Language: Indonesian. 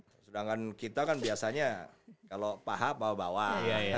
sedangkan kita kan biasanya kalau paha bawah bawah